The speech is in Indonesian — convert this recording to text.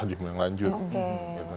ada stadium yang lanjut